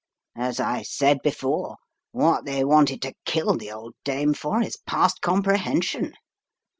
As I said before, what they wanted to kill the old dame for is past comprehension.